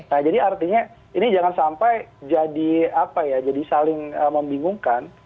nah jadi artinya ini jangan sampai jadi apa ya jadi saling membingungkan